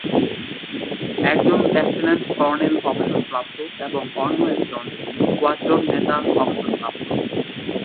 একজন lieutenant colonel অবসরপ্রাপ্ত এবং অন্য একজন স্কোয়াড্রন নেতা অবসরপ্রাপ্ত।